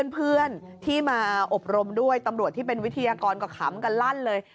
เพื่อนที่มาอบรมด้วยธรรมบรรที่ไวธี์ยากรก็ขำกระลั่นเลย